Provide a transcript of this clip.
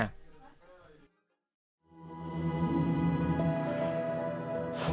seseorang mencellar pansetnya memblajar tentang impian khas dari beni men fractureia utis